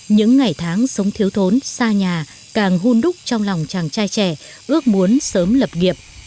những ngày tháng sống thiếu thốn xa nhà càng hôn đúc trong lòng chàng trai trẻ ước muốn sớm lập nghiệp